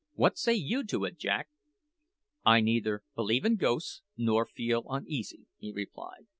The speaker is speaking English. "What say you to it, Jack?" "I neither believe in ghosts nor feel uneasy," he replied.